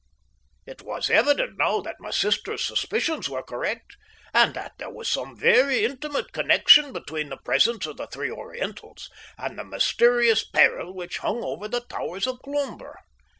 It was evident now that my sister's suspicions were correct, and that there was some very intimate connection between the presence of the three Orientals and the mysterious peril which hung over the towers of Cloomber.